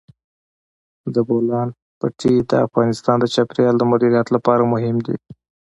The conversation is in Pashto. د بولان پټي د افغانستان د چاپیریال د مدیریت لپاره مهم دي.